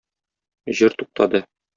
Җыр туктады.